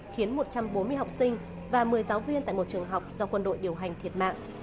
khiến một trăm bốn mươi học sinh và một mươi giáo viên tại một trường học do quân đội điều hành thiệt mạng